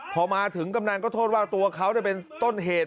พอมาถึงกำนันก็โทษว่าตัวเขาเป็นต้นเหตุ